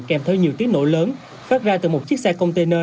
kèm theo nhiều tiếng nổ lớn phát ra từ một chiếc xe container